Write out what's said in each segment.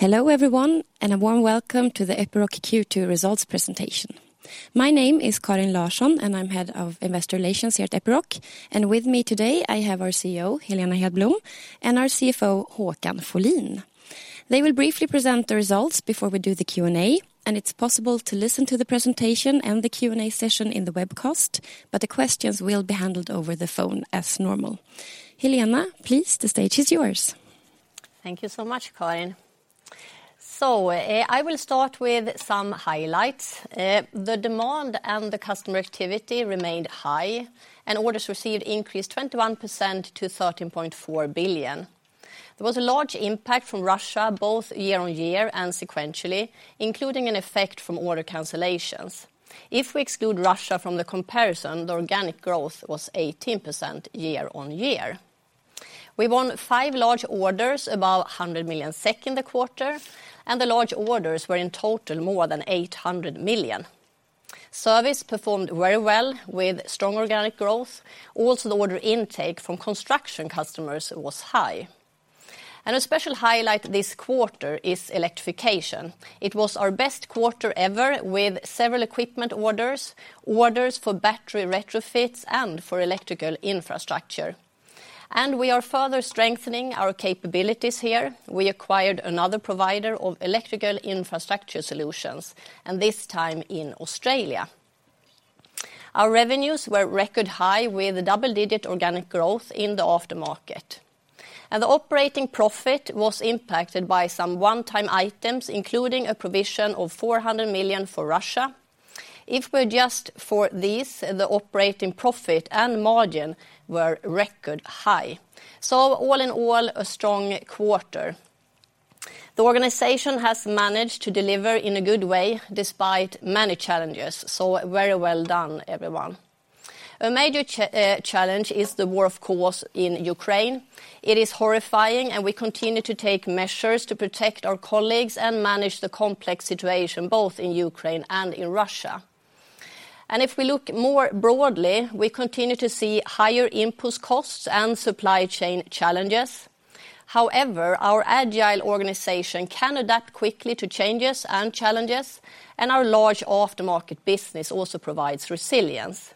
Hello everyone, and a warm welcome to the Epiroc Q2 results presentation. My name is Karin Larsson, and I'm Head of Investor Relations here at Epiroc. With me today I have our CEO, Helena Hedblom, and our CFO, Håkan Folin. They will briefly present the results before we do the Q&A, and it's possible to listen to the presentation and the Q&A session in the webcast, but the questions will be handled over the phone as normal. Helena, please, the stage is yours. Thank you so much, Karin. I will start with some highlights. The demand and the customer activity remained high, and orders received increased 21% to 13.4 billion. There was a large impact from Russia both year-on-year and sequentially, including an effect from order cancellations. If we exclude Russia from the comparison, the organic growth was 18% year-on-year. We won five large orders above 100 million SEK in the quarter, and the large orders were in total more than 800 million. Service performed very well with strong organic growth. Also, the order intake from construction customers was high. A special highlight this quarter is electrification. It was our best quarter ever with several equipment orders for battery retrofits, and for electrical infrastructure. We are further strengthening our capabilities here. We acquired another provider of electrical infrastructure solutions, and this time in Australia. Our revenues were record high with a double-digit organic growth in the aftermarket. The operating profit was impacted by some one-time items, including a provision of 400 million for Russia. If we adjust for this, the operating profit and margin were record high. All in all, a strong quarter. The organization has managed to deliver in a good way despite many challenges, so very well done, everyone. A major challenge is the war, of course, in Ukraine. It is horrifying, and we continue to take measures to protect our colleagues and manage the complex situation, both in Ukraine and in Russia. If we look more broadly, we continue to see higher input costs and supply chain challenges. However, our agile organization can adapt quickly to changes and challenges, and our large aftermarket business also provides resilience.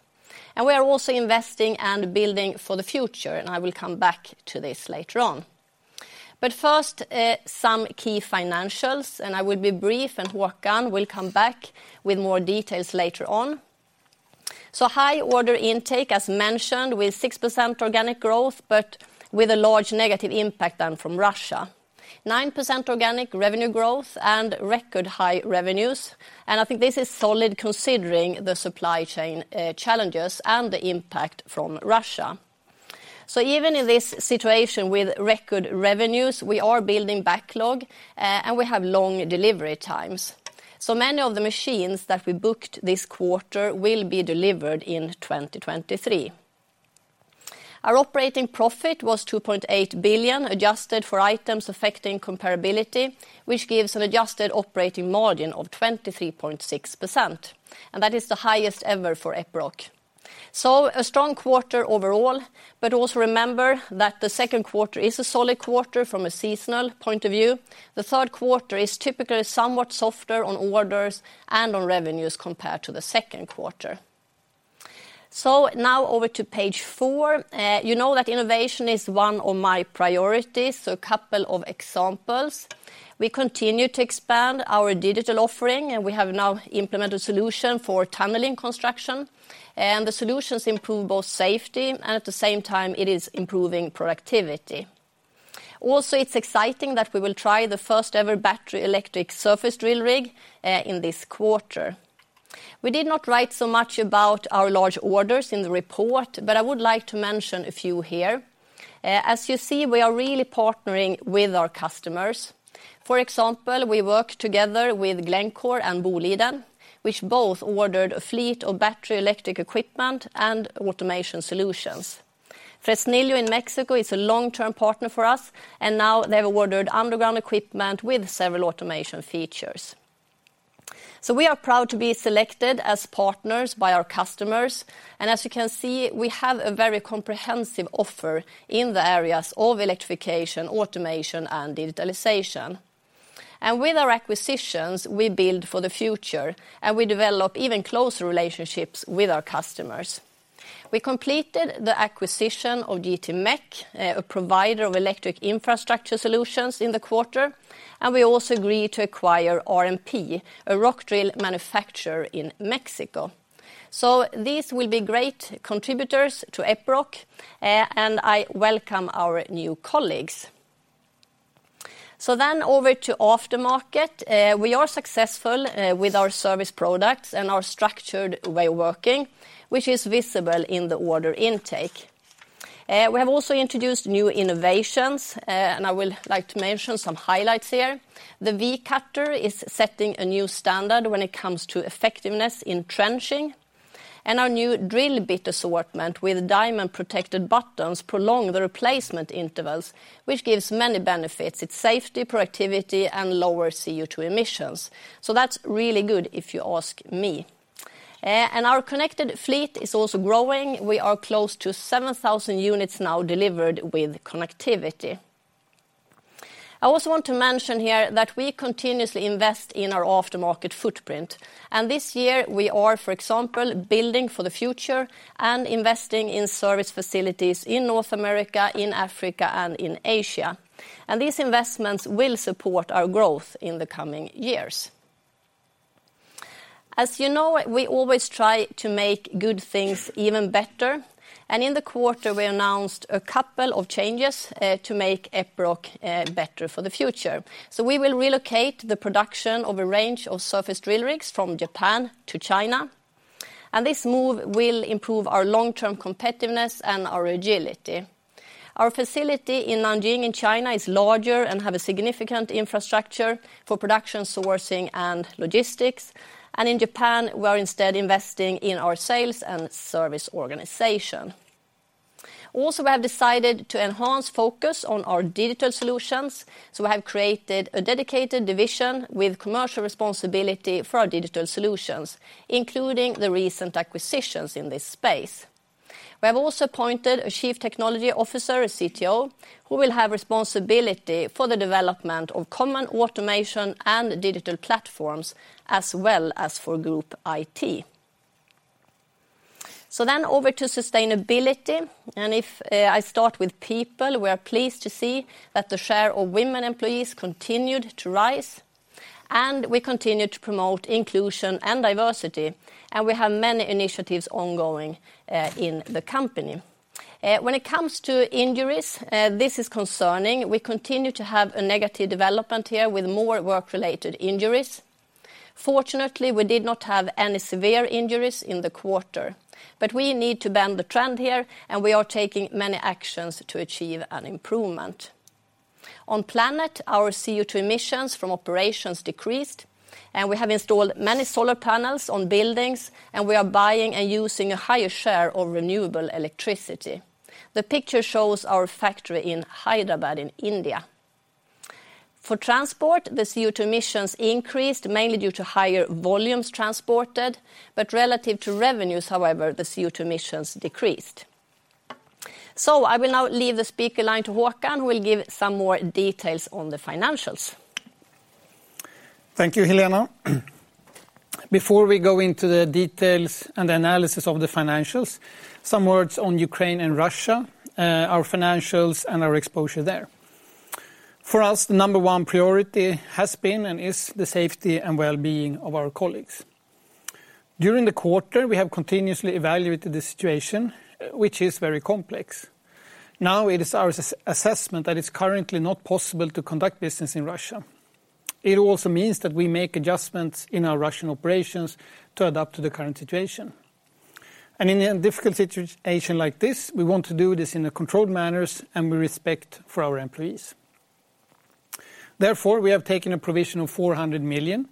We are also investing and building for the future, and I will come back to this later on. First, some key financials, and I will be brief, and Håkan will come back with more details later on. High order intake, as mentioned, with 6% organic growth, but with a large negative impact from Russia. 9% organic revenue growth and record high revenues, and I think this is solid considering the supply chain challenges and the impact from Russia. Even in this situation with record revenues, we are building backlog, and we have long delivery times. Many of the machines that we booked this quarter will be delivered in 2023. Our operating profit was 2.8 billion, adjusted for items affecting comparability, which gives an adjusted operating margin of 23.6%, and that is the highest ever for Epiroc. A strong quarter overall, but also remember that the second quarter is a solid quarter from a seasonal point of view. The third quarter is typically somewhat softer on orders and on revenues compared to the second quarter. Now over to page four. You know that innovation is one of my priorities, a couple of examples. We continue to expand our digital offering, and we have now implemented solution for tunneling construction. The solutions improve both safety, and at the same time, it is improving productivity. Also, it's exciting that we will try the first ever battery-electric surface drill rig in this quarter. We did not write so much about our large orders in the report, but I would like to mention a few here. As you see, we are really partnering with our customers. For example, we work together with Glencore and Boliden, which both ordered a fleet of battery electric equipment and automation solutions. Fresnillo in Mexico is a long-term partner for us, and now they've ordered underground equipment with several automation features. We are proud to be selected as partners by our customers, and as you can see, we have a very comprehensive offer in the areas of electrification, automation, and digitalization. With our acquisitions, we build for the future, and we develop even closer relationships with our customers. We completed the acquisition of JTMEC, a provider of electric infrastructure solutions, in the quarter, and we also agreed to acquire RNP, a rock drill manufacturer in Mexico. These will be great contributors to Epiroc, and I welcome our new colleagues. Over to aftermarket. We are successful with our service products and our structured way of working, which is visible in the order intake. We have also introduced new innovations, and I will like to mention some highlights here. The V Cutter is setting a new standard when it comes to effectiveness in trenching, and our new drill bit assortment with diamond-protected buttons prolong the replacement intervals, which gives many benefits. It's safety, productivity, and lower CO2 emissions, so that's really good if you ask me. Our connected fleet is also growing. We are close to 7,000 units now delivered with connectivity. I also want to mention here that we continuously invest in our aftermarket footprint, and this year we are, for example, building for the future and investing in service facilities in North America, in Africa, and in Asia. These investments will support our growth in the coming years. As you know, we always try to make good things even better, and in the quarter, we announced a couple of changes to make Epiroc better for the future. We will relocate the production of a range of surface drill rigs from Japan to China, and this move will improve our long-term competitiveness and our agility. Our facility in Nanjing in China is larger and have a significant infrastructure for production sourcing and logistics, and in Japan, we are instead investing in our sales and service organization. We have decided to enhance focus on our digital solutions, so we have created a dedicated division with commercial responsibility for our digital solutions, including the recent acquisitions in this space. We have also appointed a Chief Technology Officer, a CTO, who will have responsibility for the development of common automation and digital platforms, as well as for group IT. Over to sustainability, and if I start with people, we are pleased to see that the share of women employees continued to rise, and we continue to promote inclusion and diversity, and we have many initiatives ongoing in the company. When it comes to injuries, this is concerning. We continue to have a negative development here with more work-related injuries. Fortunately, we did not have any severe injuries in the quarter, but we need to bend the trend here, and we are taking many actions to achieve an improvement. On planet, our CO2 emissions from operations decreased, and we have installed many solar panels on buildings, and we are buying and using a higher share of renewable electricity. The picture shows our factory in Hyderabad in India. For transport, the CO2 emissions increased mainly due to higher volumes transported, but relative to revenues, however, the CO2 emissions decreased. I will now leave the speaker line to Håkan, who will give some more details on the financials. Thank you, Helena. Before we go into the details and the analysis of the financials, some words on Ukraine and Russia, our financials, and our exposure there. For us, the number one priority has been and is the safety and wellbeing of our colleagues. During the quarter, we have continuously evaluated the situation, which is very complex. Now it is our assessment that it's currently not possible to conduct business in Russia. It also means that we make adjustments in our Russian operations to adapt to the current situation. In a difficult situation like this, we want to do this in a controlled manner and with respect for our employees. Therefore, we have taken a provision of 400 million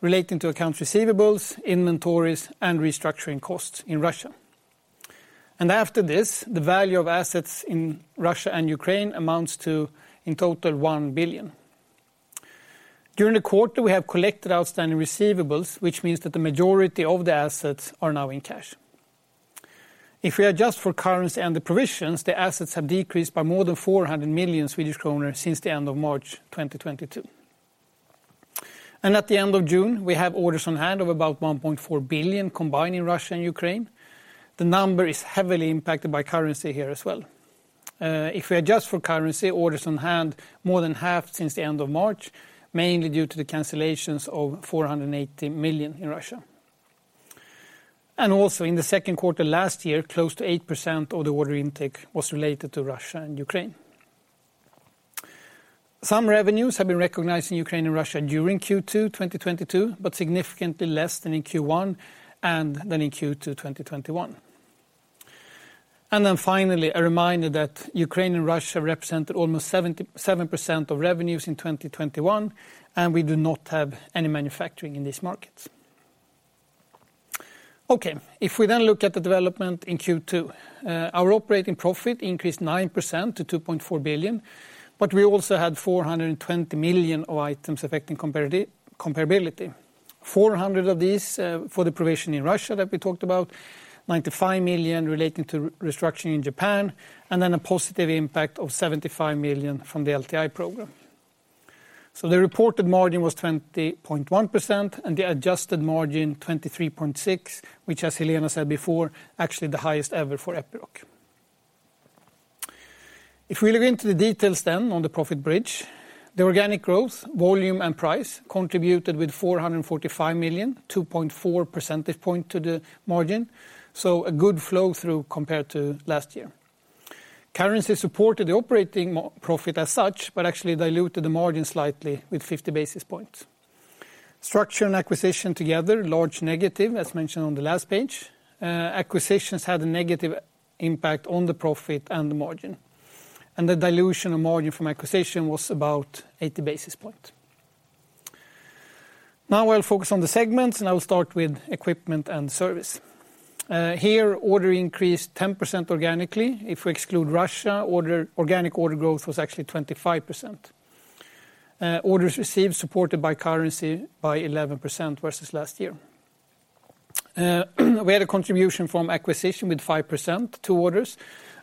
relating to accounts receivables, inventories, and restructuring costs in Russia. After this, the value of assets in Russia and Ukraine amounts to, in total, 1 billion. During the quarter, we have collected outstanding receivables, which means that the majority of the assets are now in cash. If we adjust for currency and the provisions, the assets have decreased by more than 400 million Swedish kronor since the end of March 2022. At the end of June, we have orders on hand of about 1.4 billion combined in Russia and Ukraine. The number is heavily impacted by currency here as well. If we adjust for currency, orders on hand more than halved since the end of March, mainly due to the cancellations of 480 million in Russia. In the second quarter last year, close to 8% of the order intake was related to Russia and Ukraine. Some revenues have been recognized in Ukraine and Russia during Q2 2022, but significantly less than in Q1 and than in Q2 2021. Finally, a reminder that Ukraine and Russia represented almost 77% of revenues in 2021, and we do not have any manufacturing in these markets. Okay, if we then look at the development in Q2, our operating profit increased 9% to 2.4 billion, but we also had 420 million of items affecting comparability. 400 of these, for the provision in Russia that we talked about, 95 million relating to restructuring in Japan, and then a positive impact of 75 million from the LTI program. The reported margin was 20.1%, and the adjusted margin, 23.6%, which, as Helena said before, actually the highest ever for Epiroc. If we look into the details then on the profit bridge, the organic growth, volume, and price contributed with 445 million, 2.4 percentage points to the margin, so a good flow-through compared to last year. Currency supported the operating profit as such, but actually diluted the margin slightly with 50 basis points. Structure and acquisition together, large negative, as mentioned on the last page. Acquisitions had a negative impact on the profit and the margin. The dilution of margin from acquisition was about 80 basis points. Now I'll focus on the segments, and I will start with Equipment & Service. Here orders increased 10% organically. If we exclude Russia, orders, organic order growth was actually 25%. Orders received supported by currency by 11% versus last year. We had a contribution from acquisition with 5% to orders,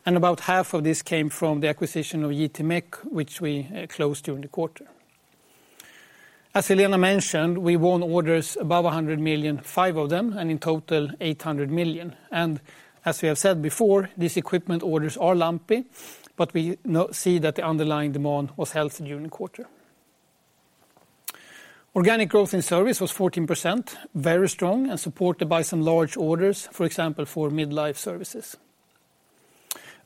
and about half of this came from the acquisition of JTMEC, which we closed during the quarter. As Helena mentioned, we won orders above 100 million, five of them, and in total 800 million. As we have said before, these equipment orders are lumpy, but we now see that the underlying demand was healthy during the quarter. Organic growth in Service was 14%, very strong and supported by some large orders, for example, for mid-life services.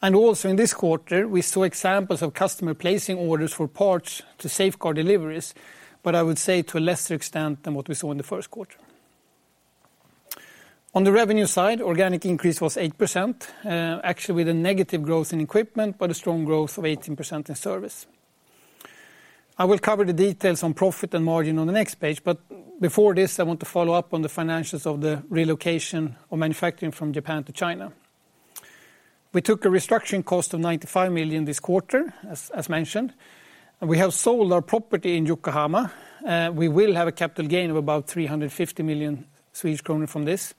Also in this quarter, we saw examples of customer placing orders for parts to safeguard deliveries, but I would say to a lesser extent than what we saw in the first quarter. On the revenue side, organic increase was 8%, actually with a negative growth in Equipment, but a strong growth of 18% in Service. I will cover the details on profit and margin on the next page, but before this, I want to follow up on the financials of the relocation of manufacturing from Japan to China. We took a restructuring cost of 95 million this quarter, as mentioned, and we have sold our property in Yokohama. We will have a capital gain of about 350 million Swedish kronor from this.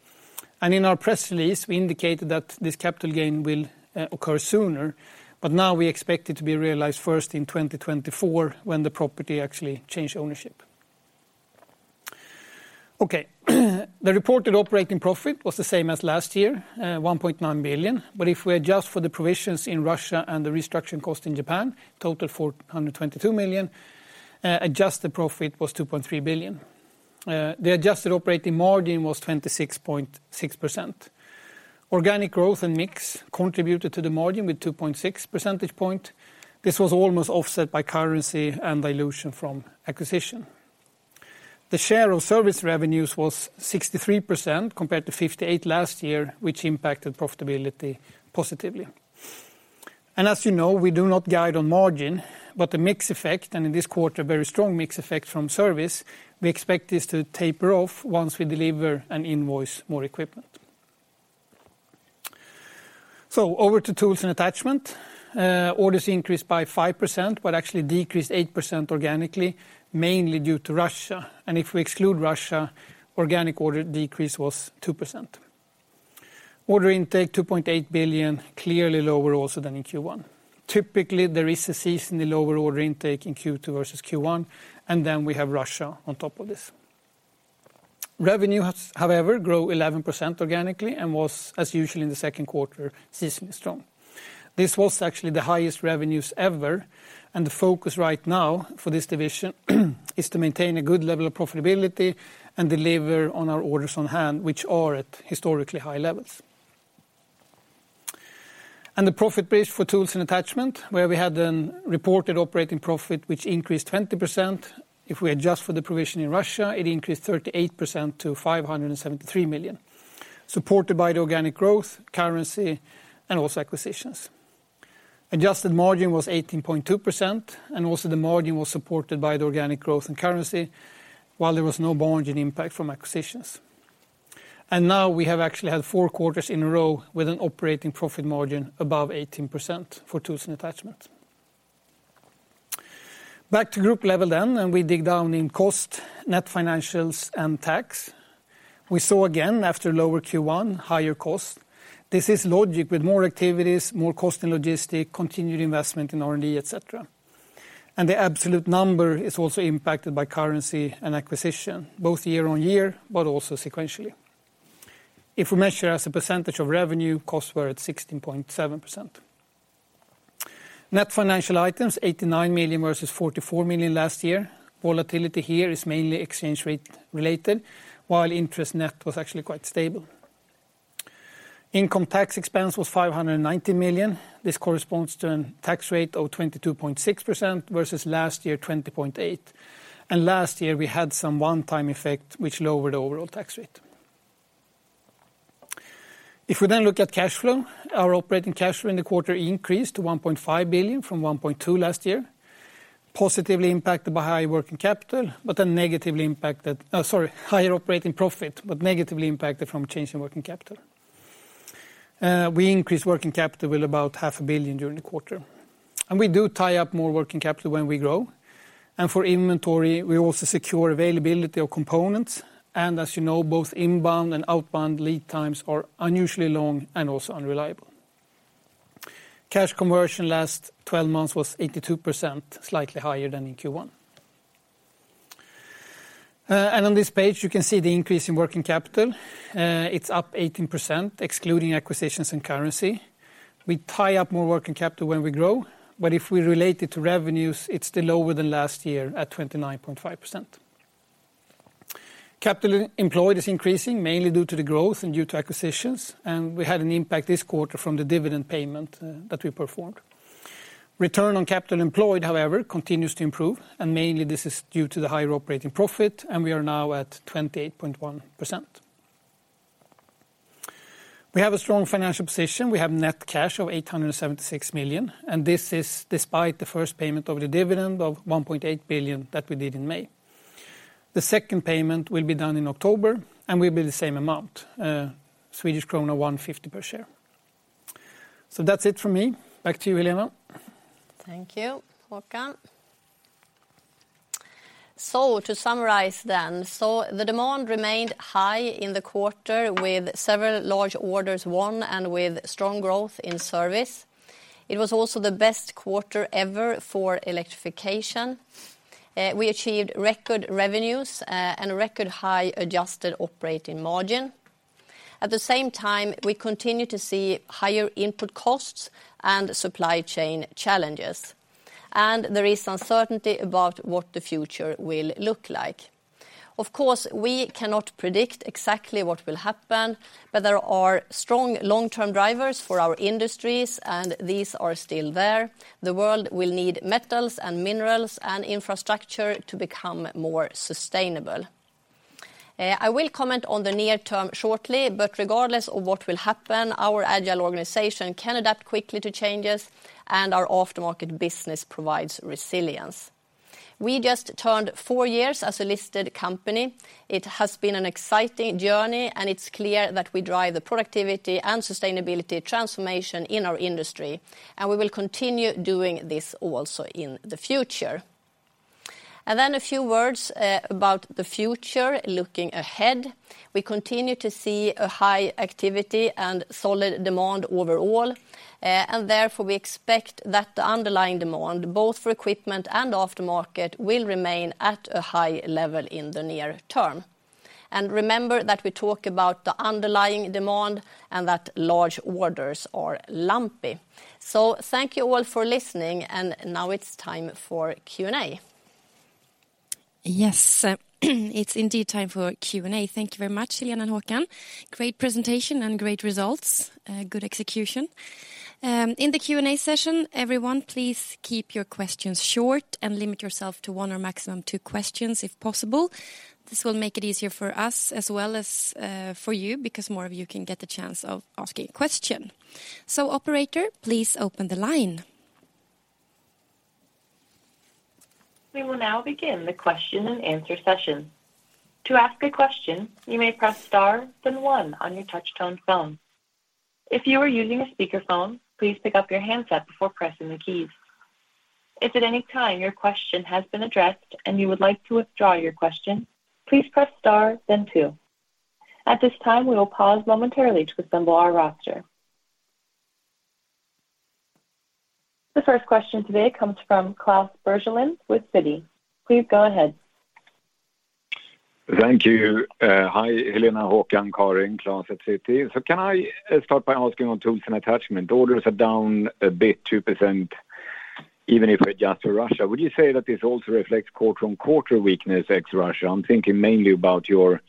In our press release, we indicated that this capital gain will occur sooner, but now we expect it to be realized first in 2024 when the property actually change ownership. Okay. The reported operating profit was the same as last year, 1.9 billion. If we adjust for the provisions in Russia and the restructuring cost in Japan, total 422 million, adjusted profit was 2.3 billion. The adjusted operating margin was 26.6%. Organic growth and mix contributed to the margin with 2.6 percentage points. This was almost offset by currency and dilution from acquisition. The share of Service revenues was 63% compared to 58% last year, which impacted profitability positively. As you know, we do not guide on margin, but the mix effect, and in this quarter, very strong mix effect from Service, we expect this to taper off once we deliver and invoice more equipment. Over to Tools & Attachments, orders increased by 5%, but actually decreased 8% organically, mainly due to Russia. If we exclude Russia, organic order decrease was 2%. Order intake 2.8 billion, clearly lower also than in Q1. Typically, there is seasonality in the lower order intake in Q2 versus Q1, and then we have Russia on top of this. Revenue has, however, grew 11% organically and was, as usual in the second quarter, seasonally strong. This was actually the highest revenues ever, and the focus right now for this division is to maintain a good level of profitability and deliver on our orders on hand, which are at historically high levels. The profit bridge for Tools & Attachments, where we had a reported operating profit, which increased 20%. If we adjust for the provision in Russia, it increased 38% to 573 million, supported by the organic growth, currency, and also acquisitions. Adjusted margin was 18.2%, and also the margin was supported by the organic growth and currency, while there was no margin impact from acquisitions. Now we have actually had four quarters in a row with an operating profit margin above 18% for Tools & Attachments. Back to group level then, and we dig down in cost, net financials, and tax. We saw again after lower Q1, higher cost. This is logical with more activities, more cost and logistics, continued investment in R&D, et cetera. The absolute number is also impacted by currency and acquisition, both year-on-year, but also sequentially. If we measure as a percentage of revenue, costs were at 16.7%. Net financial items, 89 million versus 44 million last year. Volatility here is mainly exchange rate related, while interest net was actually quite stable. Income tax expense was 590 million. This corresponds to a tax rate of 22.6% versus last year, 20.8%. Last year, we had some one-time effect which lowered the overall tax rate. If we then look at cash flow, our operating cash flow in the quarter increased to 1.5 billion from 1.2 billion last year, positively impacted by higher operating profit, but negatively impacted from change in working capital. We increased working capital with about SEK half a billion during the quarter. We do tie up more working capital when we grow. For inventory, we also secure availability of components. As you know, both inbound and outbound lead times are unusually long and also unreliable. Cash conversion last 12 months was 82%, slightly higher than in Q1. On this page, you can see the increase in working capital. It's up 18%, excluding acquisitions and currency. We tie up more working capital when we grow, but if we relate it to revenues, it's still lower than last year at 29.5%. Capital employed is increasing, mainly due to the growth and due to acquisitions, and we had an impact this quarter from the dividend payment that we performed. Return on capital employed, however, continues to improve, and mainly this is due to the higher operating profit, and we are now at 28.1%. We have a strong financial position. We have net cash of 876 million, and this is despite the first payment of the dividend of 1.8 billion that we did in May. The second payment will be done in October and will be the same amount, Swedish krona 1.50 per share. That's it from me. Back to you, Helena. Thank you, Håkan. To summarize then, the demand remained high in the quarter with several large orders won and with strong growth in Service. It was also the best quarter ever for electrification. We achieved record revenues and record high adjusted operating margin. At the same time, we continue to see higher input costs and supply chain challenges, and there is uncertainty about what the future will look like. Of course, we cannot predict exactly what will happen, but there are strong long-term drivers for our industries, and these are still there. The world will need metals and minerals and infrastructure to become more sustainable. I will comment on the near term shortly, but regardless of what will happen, our agile organization can adapt quickly to changes, and our aftermarket business provides resilience. We just turned four years as a listed company. It has been an exciting journey, and it's clear that we drive the productivity and sustainability transformation in our industry, and we will continue doing this also in the future. A few words about the future looking ahead. We continue to see a high activity and solid demand overall, and therefore we expect that the underlying demand, both for equipment and aftermarket, will remain at a high level in the near term. Remember that we talk about the underlying demand and that large orders are lumpy. Thank you all for listening, and now it's time for Q&A. Yes. It's indeed time for Q&A. Thank you very much, Helena and Håkan. Great presentation and great results. Good execution. In the Q&A session, everyone, please keep your questions short and limit yourself to one or maximum two questions if possible. This will make it easier for us as well as for you because more of you can get the chance of asking a question. Operator, please open the line. We will now begin the question-and-answer session. To ask a question, you may press star then one on your touch tone phone. If you are using a speakerphone, please pick up your handset before pressing the keys. If at any time your question has been addressed and you would like to withdraw your question, please press star then two. At this time, we will pause momentarily to assemble our roster. The first question today comes from Klas Bergelind with Citi. Please go ahead. Thank you. Hi, Helena, Håkan, Karin. Klas at Citi. Can I start by asking on Tools & Attachments? Orders are down a bit, 2%, even if adjusted for Russia. Would you say that this also reflects quarter-on-quarter weakness ex-Russia? I'm thinking mainly about your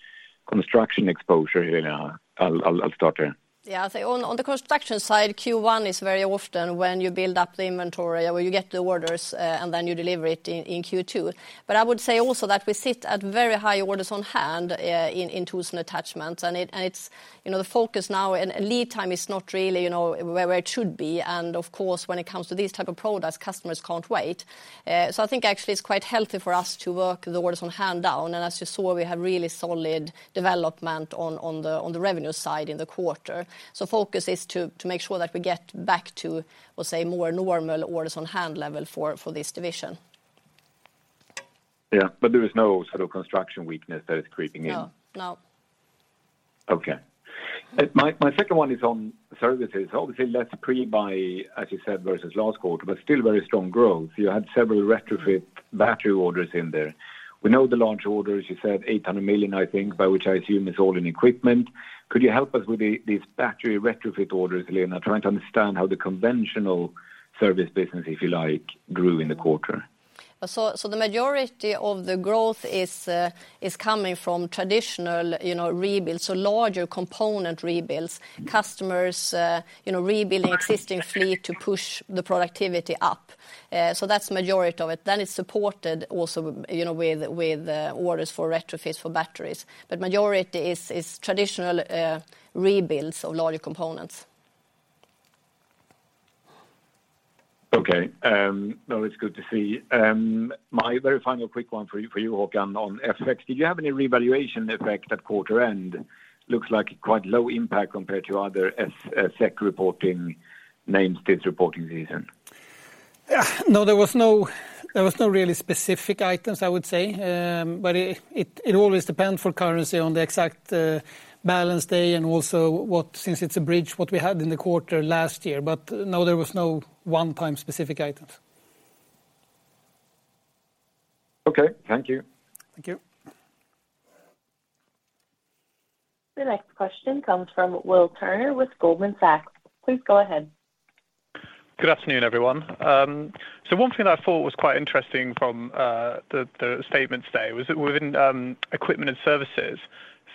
construction exposure, Helena. I'll start there. Yeah. I'd say on the construction side, Q1 is very often when you build up the inventory or where you get the orders, and then you deliver it in Q2. I would say also that we sit at very high orders on hand in Tools & Attachments, and it's, you know, the focus now and lead time is not really, you know, where it should be. Of course, when it comes to these type of products, customers can't wait. I think actually it's quite healthy for us to work the orders on hand down. As you saw, we have really solid development on the revenue side in the quarter. Focus is to make sure that we get back to, let's say, more normal orders on hand level for this division. Yeah. There is no sort of construction weakness that is creeping in? No. No. Okay. My second one is on services. Obviously less pre-buy, as you said, versus last quarter, but still very strong growth. You had several retrofit battery orders in there. We know the large orders, you said 800 million, I think, by which I assume is all in equipment. Could you help us with these battery retrofit orders, Helena? Trying to understand how the conventional service business, if you like, grew in the quarter. The majority of the growth is coming from traditional, you know, rebuilds, so larger component rebuilds. Mm-hmm. Customers, you know, rebuilding existing fleet to push the productivity up. That's majority of it. It's supported also, you know, with orders for retrofits for batteries. Majority is traditional rebuilds of larger components. No, it's good to see. My very final quick one for you, Håkan, on FX. Did you have any revaluation effect at quarter end? Looks like quite low impact compared to other SEC reporting names this reporting season. No, there was no really specific items, I would say. It always depend for currency on the exact balance day and also, since it's a bridge, what we had in the quarter last year. No, there was no one-time specific items. Okay. Thank you. Thank you. The next question comes from Will Turner with Goldman Sachs. Please go ahead. Good afternoon, everyone. One thing that I thought was quite interesting from the statement today was that within Equipment & Service,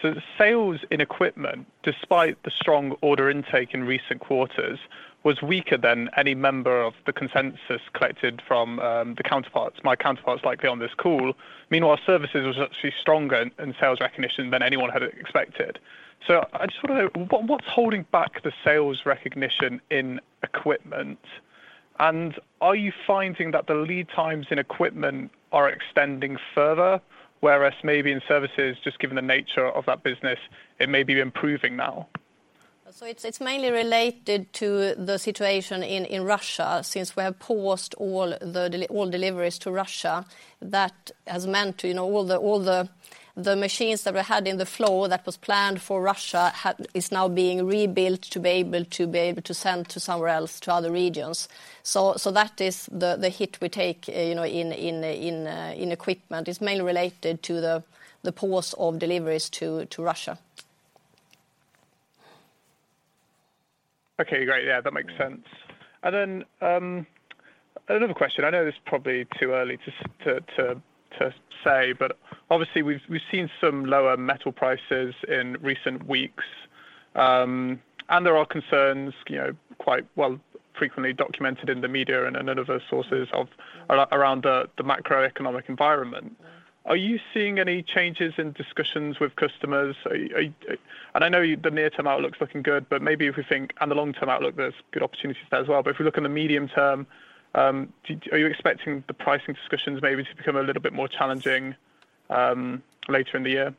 the sales in Equipment, despite the strong order intake in recent quarters, was weaker than any member of the consensus collected from the counterparts, my counterparts likely on this call. Meanwhile, Service was actually stronger in sales recognition than anyone had expected. I just wonder, what's holding back the sales recognition in Equipment? Are you finding that the lead times in Equipment are extending further? Whereas maybe in Service, just given the nature of that business, it may be improving now. It's mainly related to the situation in Russia, since we have paused all the deliveries to Russia, that has meant, you know, all the machines that we had on the floor that was planned for Russia is now being rebuilt to be able to send to somewhere else, to other regions. That is the hit we take, you know, in Equipment. It's mainly related to the pause of deliveries to Russia. Okay, great. Yeah, that makes sense. Another question. I know it's probably too early to say, but obviously we've seen some lower metal prices in recent weeks. There are concerns, you know, quite well frequently documented in the media and in other sources around the macroeconomic environment. Are you seeing any changes in discussions with customers? I know the near-term outlook is looking good, but maybe if we think on the long-term outlook, there's good opportunities there as well. If we look in the medium term, are you expecting the pricing discussions maybe to become a little bit more challenging later in the year?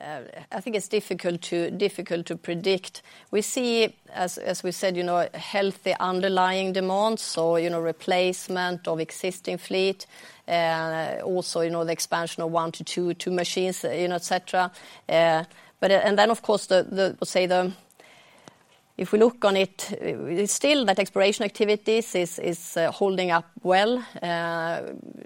I think it's difficult to predict. We see, as we said, you know, healthy underlying demands or, you know, replacement of existing fleet, also, you know, the expansion of one to two machines, you know, et cetera. Of course, they say, if we look on it's still that exploration activities is holding up well,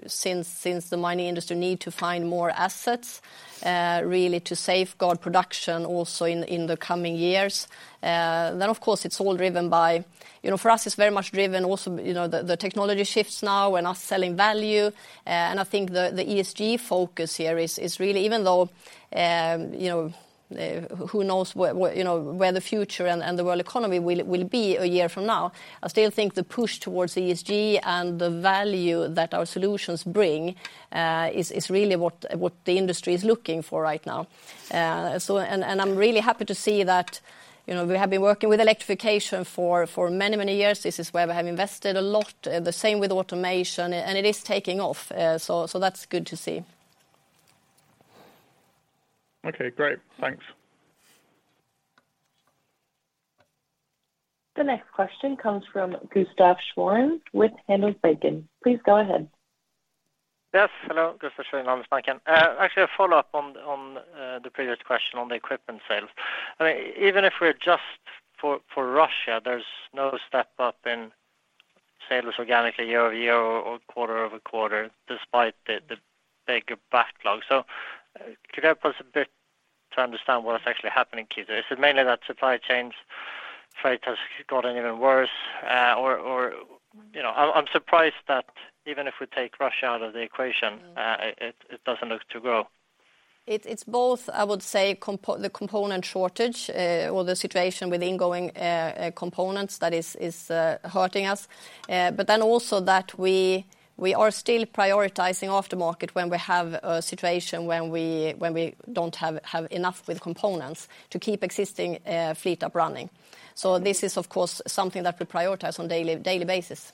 since the mining industry need to find more assets, really to safeguard production also in the coming years. Of course, it's all driven by. You know, for us, it's very much driven also, you know, the technology shifts now and us selling value. I think the ESG focus here is really even though, you know, who knows where, you know, where the future and the world economy will be a year from now. I still think the push towards ESG and the value that our solutions bring is really what the industry is looking for right now. I'm really happy to see that, you know, we have been working with electrification for many years. This is where we have invested a lot, the same with automation, and it is taking off. That's good to see. Okay, great. Thanks. The next question comes from Gustaf Schwerin with Handelsbanken. Please go ahead. Yes. Hello, Gustaf Schwerin, Handelsbanken. Actually a follow-up on the previous question on the Equipment sales. I mean, even if we're just for Russia, there's no step up in sales organically year-over-year or quarter-over-quarter despite the bigger backlog. Could you help us a bit to understand what is actually happening, Helena? Is it mainly that supply chains freight has gotten even worse? Or, you know, I'm surprised that even if we take Russia out of the equation, it doesn't look to grow. It's both, I would say, the component shortage or the situation with ingoing components that is hurting us. Also that we are still prioritizing aftermarket when we have a situation when we don't have enough components to keep existing fleet up running. This is, of course, something that we prioritize on a daily basis.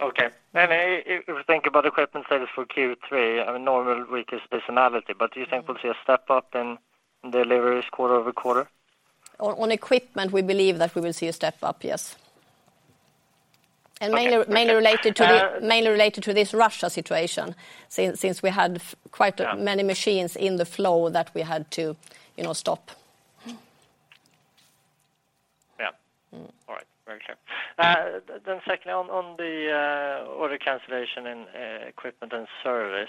Okay. If we think about Equipment sales for Q3, I mean, normal weakest seasonality, but do you think we'll see a step up in deliveries quarter-over-quarter? On Equipment, we believe that we will see a step up, yes. Okay. Mainly related to the- Uh- Mainly related to this Russia situation since we had quite many machines in the flow that we had to, you know, stop. Yeah. Mm-hmm. All right. Very clear. Secondly, on the order cancellation in Equipment & Service,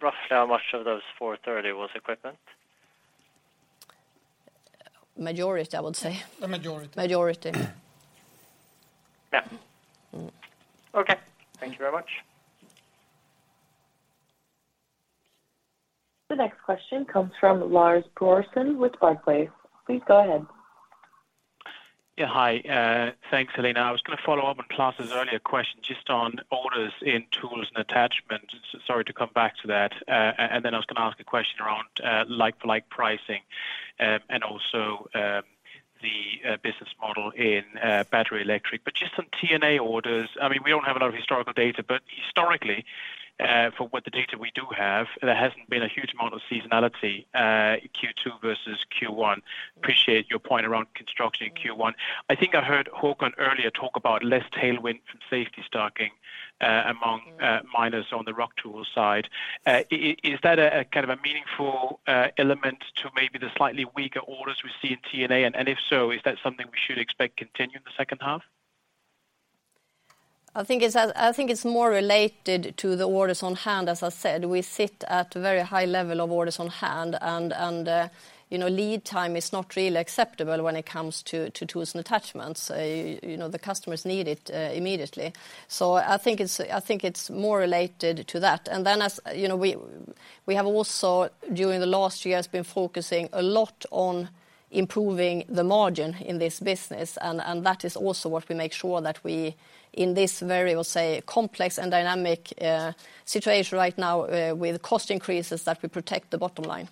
roughly how much of those 430 was Equipment? Majority, I would say. The majority. Majority. Yeah. Mm-hmm. Okay. Thank you very much. The next question comes from Lars Brorson with Barclays. Please go ahead. Yeah. Hi. Thanks, Helena. I was gonna follow up on Klas's earlier question just on orders in Tools & Attachments. Sorry to come back to that. And then I was gonna ask a question around like-for-like pricing and also the business model in battery electric. Just on T&A orders, I mean, we don't have a lot of historical data, but historically, for what the data we do have, there hasn't been a huge amount of seasonality Q2 versus Q1. Appreciate your point around construction in Q1. I think I heard Håkan earlier talk about less tailwind from safety stocking among miners on the rock tools side. Is that a kind of a meaningful element to maybe the slightly weaker orders we see in T&A? If so, is that something we should expect continue in the second half? I think it's more related to the orders on hand. As I said, we sit at a very high level of orders on hand and you know, lead time is not really acceptable when it comes to Tools & Attachments. You know, the customers need it immediately. I think it's more related to that. As you know, we have also during the last years been focusing a lot on improving the margin in this business. That is also what we make sure that we in this very, we'll say, complex and dynamic situation right now with cost increases, that we protect the bottom line.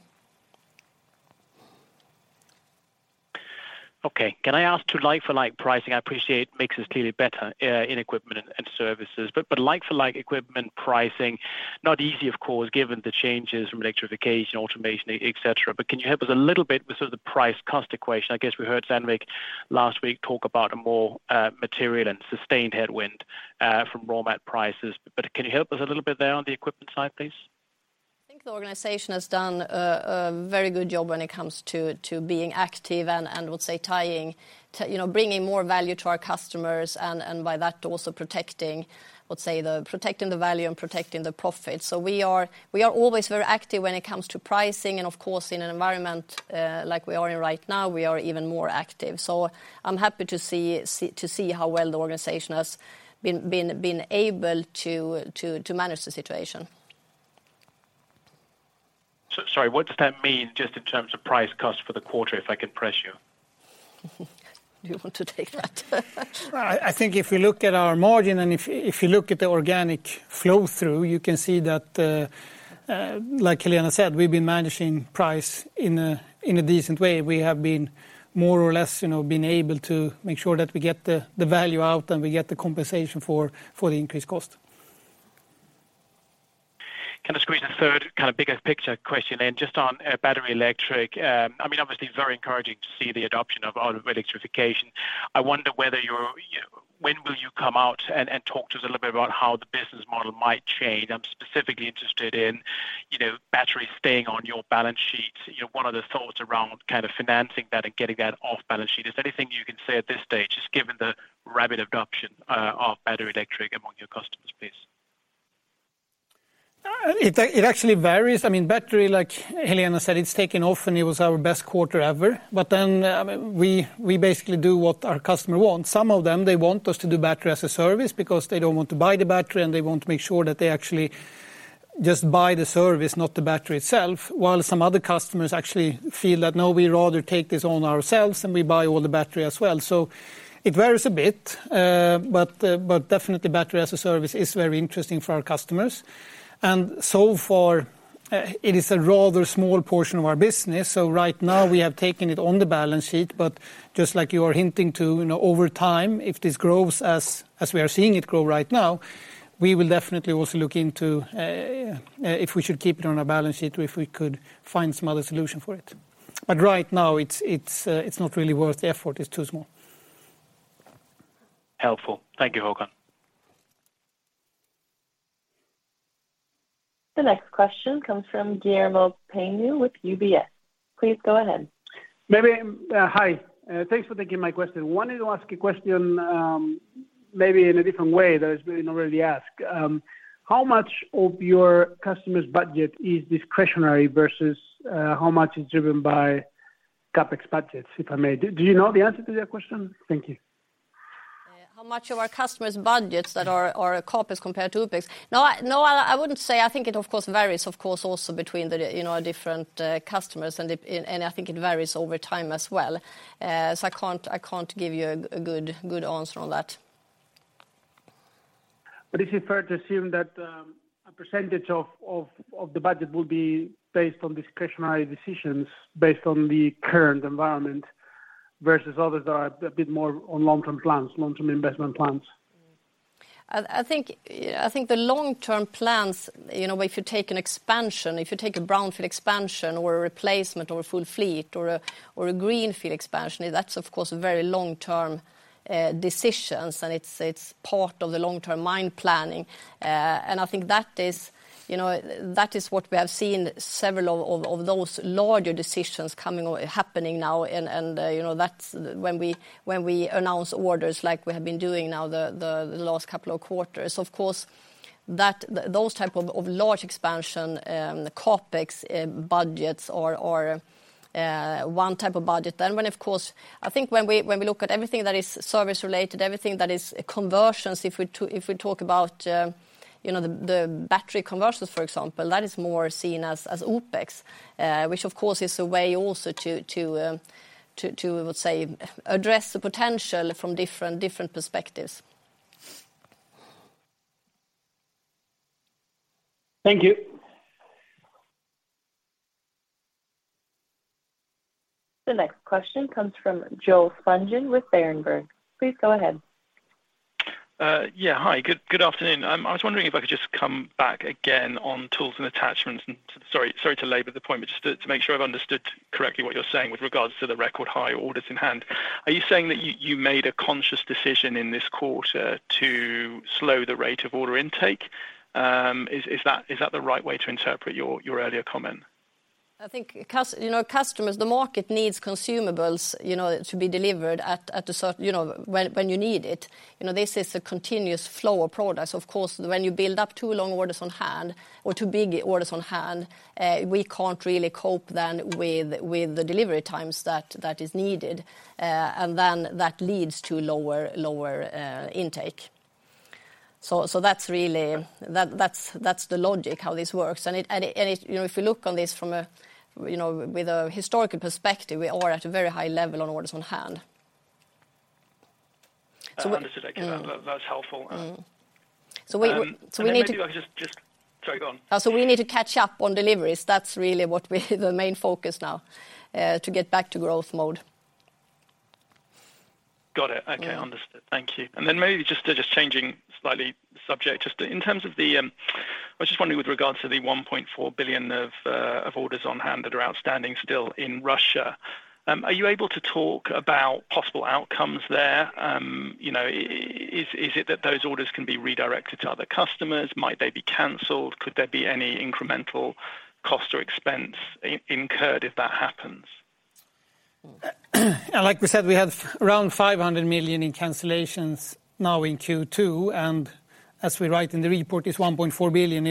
Okay. Can I ask to like for like pricing? I appreciate makes us clearly better in Equipment & Service, but like for like equipment pricing, not easy, of course, given the changes from electrification, automation, et cetera. Can you help us a little bit with sort of the price cost equation? I guess we heard Sandvik last week talk about a more material and sustained headwind from raw material prices. Can you help us a little bit there on the equipment side, please? I think the organization has done a very good job when it comes to being active and would say trying to, you know, bringing more value to our customers and by that also protecting, let's say, protecting the value and protecting the profit. We are always very active when it comes to pricing and of course, in an environment like we are in right now, we are even more active. I'm happy to see to see how well the organization has been able to manage the situation. Sorry, what does that mean just in terms of price cost for the quarter, if I could press you? Do you want to take that? I think if you look at our margin and if you look at the organic flow through, you can see that, like Helena said, we've been managing price in a decent way. We have been more or less, you know, able to make sure that we get the value out and we get the compensation for the increased cost. Can I squeeze a third kind of bigger picture question in just on battery electric? I mean, obviously it's very encouraging to see the adoption of auto electrification. I wonder when will you come out and talk to us a little bit about how the business model might change. I'm specifically interested in, you know, batteries staying on your balance sheets. You know, what are the thoughts around kind of financing that and getting that off balance sheet? Is there anything you can say at this stage, just given the rapid adoption of battery electric among your customers, please? It actually varies. I mean, battery, like Helena said, it's taken off, and it was our best quarter ever. We basically do what our customer wants. Some of them, they want us to do battery as a service because they don't want to buy the battery, and they want to make sure that they actually just buy the service, not the battery itself. While some other customers actually feel that, no, we'd rather take this on ourselves, and we buy all the battery as well. It varies a bit. Definitely battery as a service is very interesting for our customers. So far, it is a rather small portion of our business. Right now we have taken it on the balance sheet, but just like you are hinting to, you know, over time, if this grows as we are seeing it grow right now, we will definitely also look into if we should keep it on our balance sheet or if we could find some other solution for it. Right now, it's not really worth the effort. It's too small. Helpful. Thank you, Håkan. The next question comes from Guillermo Peigneux-Lojo with UBS. Please go ahead. Maybe, hi, thanks for taking my question. Wanted to ask a question, maybe in a different way that has been already asked. How much of your customers' budget is discretionary versus, how much is driven by CapEx budgets, if I may? Do you know the answer to that question? Thank you. How much of our customers' budgets that are a CapEx compared to OpEx? No, I wouldn't say. I think it of course varies, of course, also between the, you know, different customers and it and I think it varies over time as well. So I can't give you a good answer on that. Is it fair to assume that a percentage of the budget will be based on discretionary decisions based on the current environment versus others are a bit more on long-term plans, long-term investment plans? I think the long-term plans, you know, if you take an expansion, if you take a brownfield expansion or a replacement or a full fleet or a greenfield expansion, that's of course very long-term decisions, and it's part of the long-term mine planning. I think that is, you know, that is what we have seen several of those larger decisions coming or happening now. You know, that's when we announce orders like we have been doing now the last couple of quarters. Of course, those type of large expansion CapEx budgets or one type of budget. Of course, I think when we look at everything that is service related, everything that is conversions, if we talk about you know the battery conversions, for example, that is more seen as OpEx, which of course is a way also to let's say address the potential from different perspectives. Thank you. The next question comes from Joel Spungin with Berenberg. Please go ahead. Yeah. Hi. Good afternoon. I was wondering if I could just come back again on Tools & Attachments. Sorry to labor the point, but just to make sure I've understood correctly what you're saying with regards to the record high orders in hand. Are you saying that you made a conscious decision in this quarter to slow the rate of order intake? Is that the right way to interpret your earlier comment? I think you know, customers, the market needs consumables, you know, to be delivered at a certain, you know, when you need it. You know, this is a continuous flow of products. Of course, when you build up too long orders on hand or too big orders on hand, we can't really cope then with the delivery times that is needed, and then that leads to lower intake. That's really the logic how this works. It you know, if you look on this from a you know with a historical perspective, we are at a very high level on orders on hand. Understood. Okay. That's helpful. We need to- Maybe if I could just, sorry, go on. We need to catch up on deliveries. That's really what we. The main focus now to get back to growth mode. Got it. Okay. Understood. Thank you. Then maybe just changing slightly the subject, just in terms of the I was just wondering with regards to the 1.4 billion of orders on hand that are outstanding still in Russia, are you able to talk about possible outcomes there? You know, is it that those orders can be redirected to other customers? Might they be canceled? Could there be any incremental cost or expense incurred if that happens? Like we said, we have around 500 million in cancellations now in Q2, and as we write in the report, it's 1.4 billion.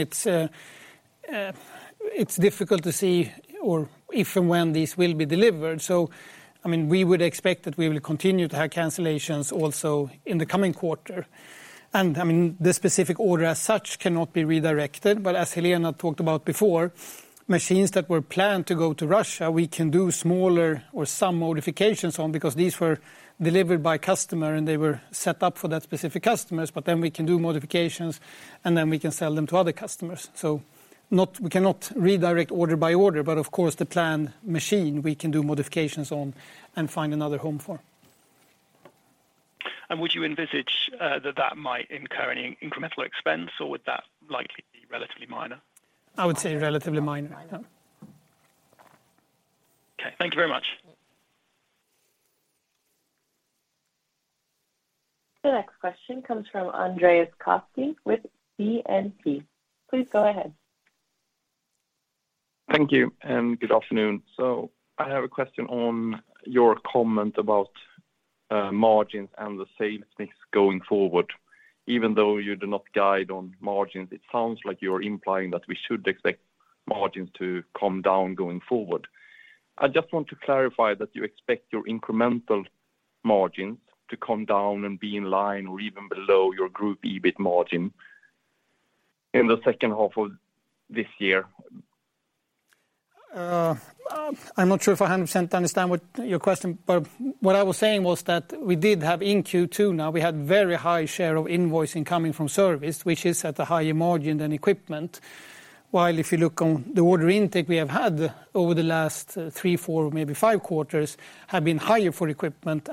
It's difficult to see or if and when these will be delivered. I mean, we would expect that we will continue to have cancellations also in the coming quarter. I mean, the specific order as such cannot be redirected, but as Helena talked about before, machines that were planned to go to Russia, we can do smaller or some modifications on because these were delivered by customer, and they were set up for that specific customers, but then we can do modifications, and then we can sell them to other customers. We cannot redirect order by order, but of course, the planned machine we can do modifications on and find another home for. Would you envisage that might incur any incremental expense, or would that likely be relatively minor? I would say relatively minor. Yeah. Okay. Thank you very much. The next question comes from Andreas Koski with DNB. Please go ahead. Thank you, and good afternoon. I have a question on your comment about margins and the sales mix going forward. Even though you do not guide on margins, it sounds like you're implying that we should expect margins to come down going forward. I just want to clarify that you expect your incremental margins to come down and be in line or even below your group EBIT margin in the second half of this year. I'm not sure if I 100% understand what your question, but what I was saying was that we did have in Q2. Now, we had very high share of invoicing coming from Service, which is at a higher margin than Equipment. While if you look on the order intake we have had over the last three, four, maybe five quarters have been higher for equipment.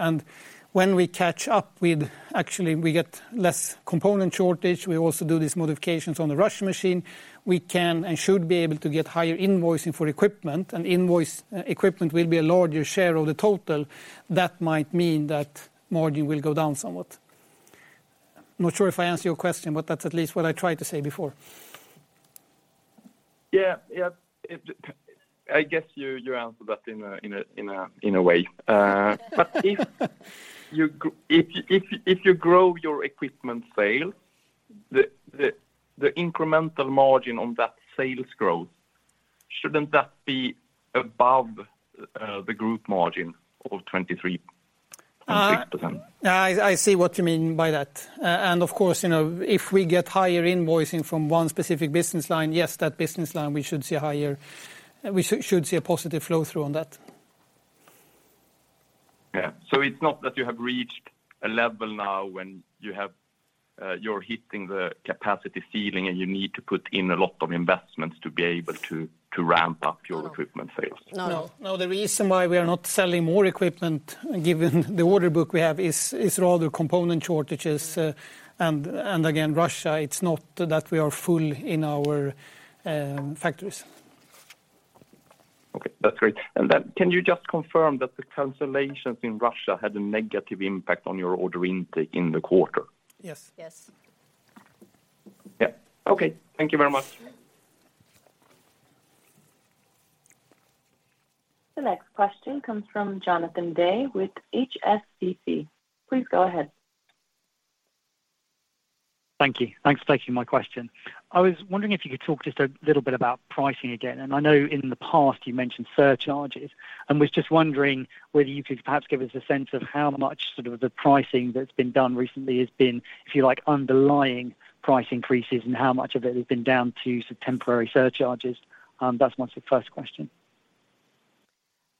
When we catch up with actually we get less component shortage, we also do these modifications on the Russian machine, we can and should be able to get higher invoicing for equipment, and invoiced equipment will be a larger share of the total. That might mean that margin will go down somewhat. I'm not sure if I answered your question, but that's at least what I tried to say before. Yeah. I guess you answered that in a way. If you grow your Equipment sales, the incremental margin on that sales growth, shouldn't that be above the group margin of 23.6%? I see what you mean by that. Of course, you know, if we get higher invoicing from one specific business line, yes, that business line we should see higher, we should see a positive flow through on that. Yeah. It's not that you have reached a level now when you have, you're hitting the capacity ceiling, and you need to put in a lot of investments to be able to ramp up your equipment sales? No. No. No. The reason why we are not selling more equipment, given the order book we have, is rather component shortages, and again, Russia. It's not that we are full in our factories. Okay. That's great. Can you just confirm that the cancellations in Russia had a negative impact on your order intake in the quarter? Yes. Yes. Yeah. Okay. Thank you very much. The next question comes from Jonathan Day with HSBC. Please go ahead. Thank you. Thanks for taking my question. I was wondering if you could talk just a little bit about pricing again. I know in the past you mentioned surcharges, and was just wondering whether you could perhaps give us a sense of how much sort of the pricing that's been done recently has been, if you like, underlying price increases, and how much of it has been down to some temporary surcharges. That's my first question.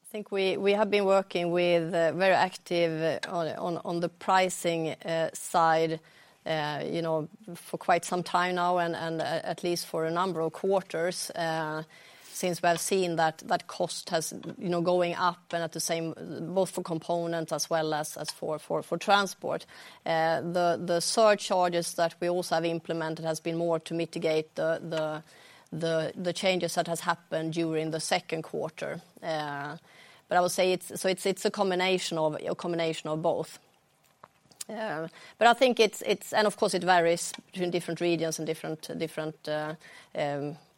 I think we have been working very actively on the pricing side, you know, for quite some time now and at least for a number of quarters since we have seen that cost has been going up and at the same time both for components as well as for transport. The surcharges that we also have implemented have been more to mitigate the changes that have happened during the second quarter. I would say it's a combination of both. I think, and of course it varies between different regions and different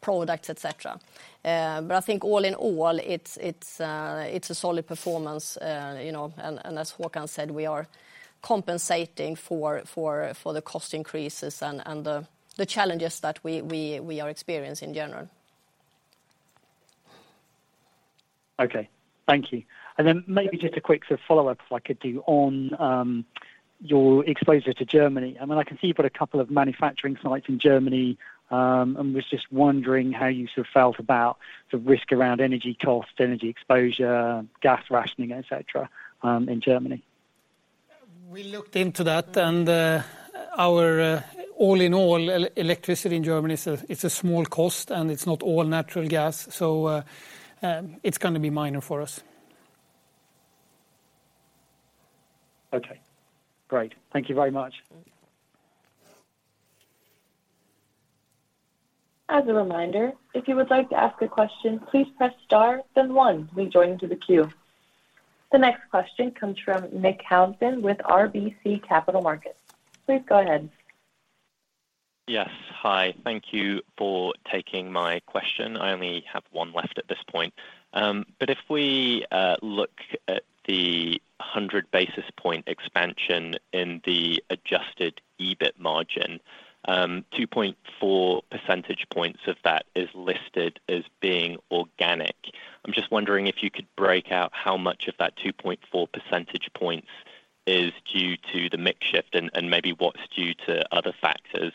products, et cetera. I think all in all, it's a solid performance. You know, and as Håkan said, we are compensating for the cost increases and the challenges that we are experiencing in general. Okay. Thank you. Maybe just a quick sort of follow-up if I could do on your exposure to Germany. I mean, I can see you've got a couple of manufacturing sites in Germany, and was just wondering how you sort of felt about the risk around energy cost, energy exposure, gas rationing, et cetera, in Germany. We looked into that and all in all electricity in Germany, it's a small cost and it's not all natural gas. It's gonna be minor for us. Okay, great. Thank you very much. As a reminder, if you would like to ask a question, please press star then one to be joined to the queue. The next question comes from Nick Housden with RBC Capital Markets. Please go ahead. Yes. Hi. Thank you for taking my question. I only have one left at this point. If we look at the 100 basis point expansion in the adjusted EBIT margin, 2.4 percentage points of that is listed as being organic. I'm just wondering if you could break out how much of that 2.4 percentage points is due to the mix shift and maybe what's due to other factors,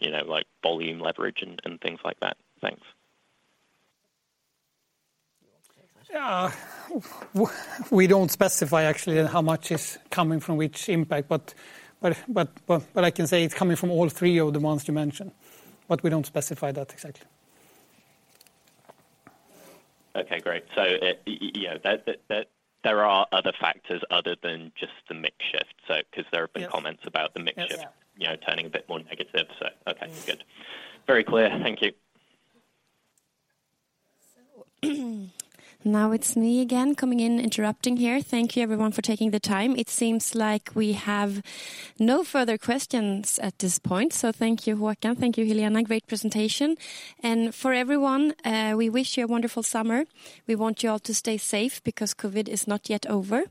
you know, like volume leverage and things like that. Thanks. We don't specify actually how much is coming from which impact, but I can say it's coming from all three of the ones you mentioned, but we don't specify that exactly. Okay, great. You know, that there are other factors other than just the mix shift. Because there have been comments about the mix shift. Yeah. You know, turning a bit more negative, so okay, good. Very clear. Thank you. Now it's me again coming in, interrupting here. Thank you everyone for taking the time. It seems like we have no further questions at this point. Thank you, Håkan. Thank you, Helena. Great presentation. For everyone, we wish you a wonderful summer. We want you all to stay safe because COVID is not yet over.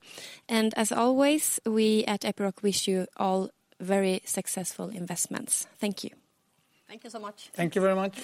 As always, we at Epiroc wish you all very successful investments. Thank you. Thank you so much. Thank you very much.